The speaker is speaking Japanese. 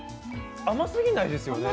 甘すぎないですよね。